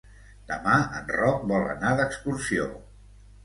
Demà en Roc vol anar d'excursió.